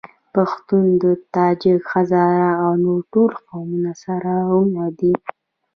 پښتون ، تاجک ، هزاره او نور ټول قومونه سره وروڼه دي.